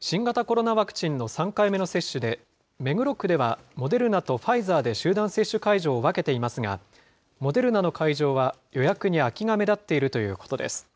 新型コロナワクチンの３回目の接種で、目黒区ではモデルナとファイザーで集団接種会場を分けていますが、モデルナの会場は予約に空きが目立っているということです。